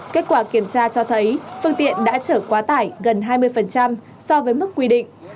kết quả kiểm tra cho thấy phương tiện đã trở quá tải gần hai mươi so với mức quy định